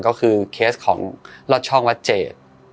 ก็คือเคสของลอดช่องวัดเจด